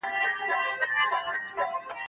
دا قلمان له هغو ښايسته دي